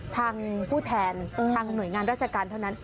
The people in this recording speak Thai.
ทางผู้แทนทางหน่วยงานราชการเท่านั้น